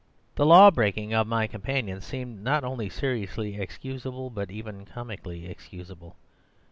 The law breaking of my companion seemed not only seriously excusable, but even comically excusable.